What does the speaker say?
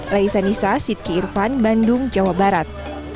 laisa nisa sidky irvan bandung jawa barat